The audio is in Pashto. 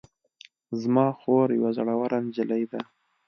زما خور یوه زړوره نجلۍ ده